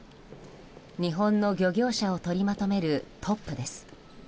日本の漁業者を取りまとめるトップです。